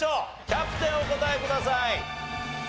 キャプテンお答えください。